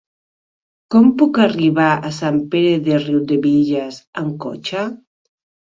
Com puc arribar a Sant Pere de Riudebitlles amb cotxe?